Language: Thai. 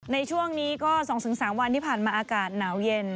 ในช่วงนี้ก็๒๓วันที่ผ่านมาอากาศหนาวเย็น